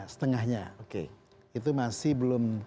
setengahnya itu masih belum